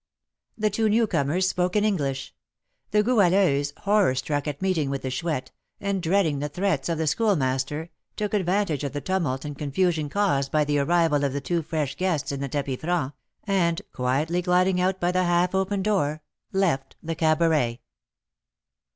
The two newcomers spoke in English. The Goualeuse, horror struck at meeting with the Chouette, and dreading the threats of the Schoolmaster, took advantage of the tumult and confusion caused by the arrival of the two fresh guests in the tapis franc, and, quietly gliding out by the half opened door, left the cabaret.